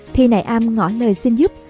thi nại am ngõ lời xin giúp